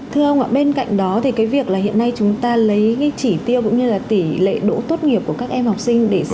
thưa ông bên cạnh đó thì cái việc là hiện nay chúng ta lấy cái chỉ tiêu cũng như là tỷ lệ đỗ tốt nghiệp của các em học sinh để giảm